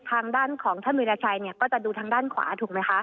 ทางด้านของท่านวิราชัยเนี่ยก็จะดูทางด้านขวาถูกไหมคะ